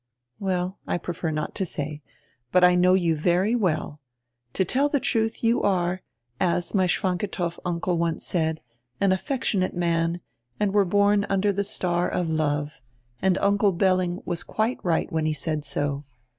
"Well, I prefer not to say. But I know you very well. To tell die trudi, you are, as my Schwantikow uncle once said, an affectionate man, and were born under die star of love, and Uncle Belling was quite right when he said so.